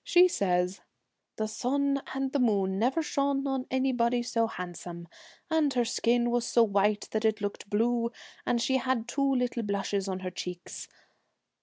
She says, ' The sun and the moon never shone on anybody so handsome, and her skin was so white that it looked blue, and she had two little blushes on her cheeks.'